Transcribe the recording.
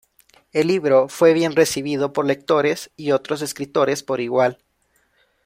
El libro fue bien recibido por lectores y otros escritores por igual.